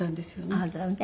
あなたがね。